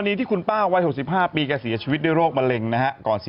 เออแต่คุณนำเสียงตรงมาก